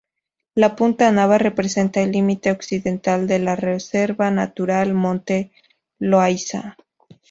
La punta Nava representa el límite occidental de la Reserva Natural Monte Loayza.